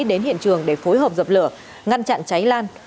đến hiện trường để phối hợp dập lửa ngăn chặn cháy lan